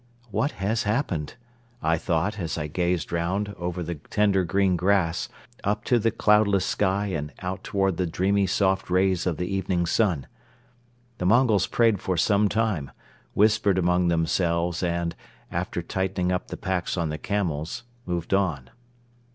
"What has happened?" I thought, as I gazed round over the tender green grass, up to the cloudless sky and out toward the dreamy soft rays of the evening sun. The Mongols prayed for some time, whispered among themselves and, after tightening up the packs on the camels, moved on.